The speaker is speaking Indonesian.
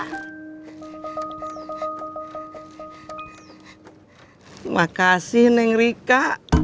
terima kasih neng rika